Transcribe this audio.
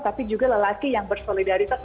tapi juga lelaki yang bersolidaritas